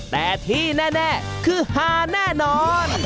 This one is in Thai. แต่ที่แน่คือฮาแน่นอน